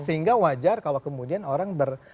sehingga wajar kalau kemudian orang ber